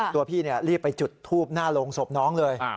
ตัวพี่รีบไปจุดทูบหน้าโรงศพน้องเลย